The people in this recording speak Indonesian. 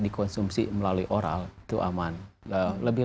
dikonsumsi melalui oral itu aman lebih